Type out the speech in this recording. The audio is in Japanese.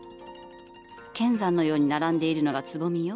剣山のように並んでいるのがつぼみよ。